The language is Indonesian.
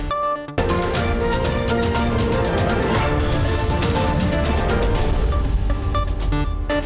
terima kasih mas dhani